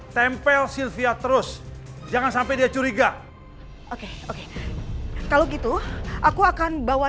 tempel sylvia terus jangan sampai dia curiga oke oke kalau gitu aku akan bawa